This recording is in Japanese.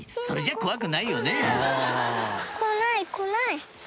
それじゃ怖くないよね